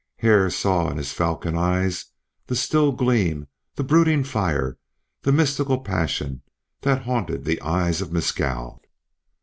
Hare saw in his falcon eyes the still gleam, the brooding fire, the mystical passion that haunted the eyes of Mescal.